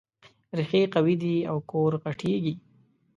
ريښې قوي دي او کور غټېږي.